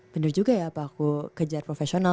bener juga ya apa aku kejar profesional